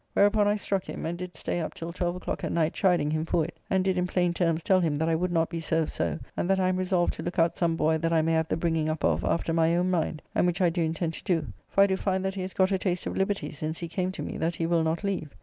Whereupon I struck him, and did stay up till 12 o'clock at night chiding him for it, and did in plain terms tell him that I would not be served so, and that I am resolved to look out some boy that I may have the bringing up of after my own mind, and which I do intend to do, for I do find that he has got a taste of liberty since he came to me that he will not leave.